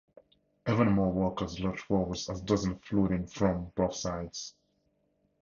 Even more walkers lurch forward as dozens flood in from both sides.